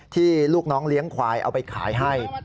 ลูกน้องเลี้ยงควายเอาไปขายให้